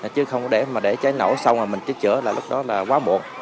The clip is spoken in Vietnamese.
chứ không để mà để trái nổ xong rồi mình cứ chữa là lúc đó là quá muộn